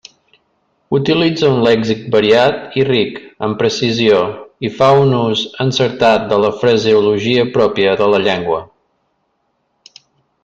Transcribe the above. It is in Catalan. Utilitza un lèxic variat i ric, amb precisió, i fa un ús encertat de la fraseologia pròpia de la llengua.